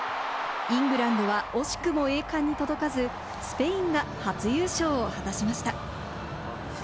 イングランドは惜しくも栄冠に届かずスペインが初優勝を果たしました。